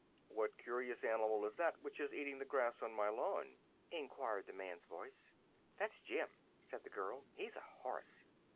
"What curious animal is that which is eating the grass on my lawn?" enquired the man's voice. "That's Jim," said the girl. "He's a horse."